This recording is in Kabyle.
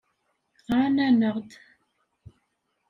Ɣran-aneɣ-d.